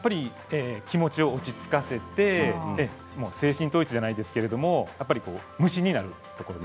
気持ちを落ち着かせて精神統一じゃないけれど無心になる。